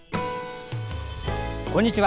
こんにちは。